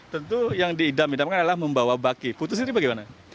tentu yang diidamkan adalah membawa baki putus ini bagaimana